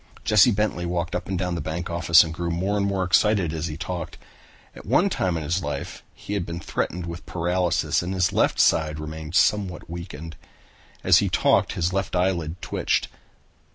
Jesse Bentley walked up and down in the bank office and grew more and more excited as he talked. At one time in his life he had been threatened with paralysis and his left side remained somewhat weakened. As he talked his left eyelid twitched.